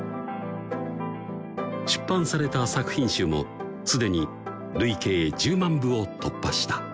出版された作品集も既に累計１０万部を突破した